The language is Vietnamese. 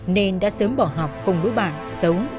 nên đã sớm bỏ học cùng đứa bạn xấu